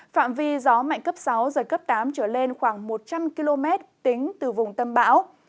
phạm vi gió mạnh cấp sáu giật cấp tám trở lên khoảng một trăm linh km tính từ vùng tâm bão